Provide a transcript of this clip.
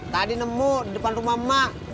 tadi nemu di depan rumah emak